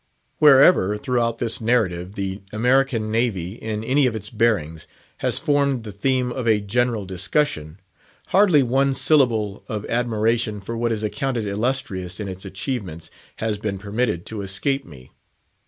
Wherever, throughout this narrative, the American Navy, in any of its bearings, has formed the theme of a general discussion, hardly one syllable of admiration for what is accounted illustrious in its achievements has been permitted to escape me.